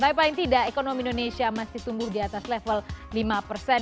tapi paling tidak ekonomi indonesia masih tumbuh di atas level lima persen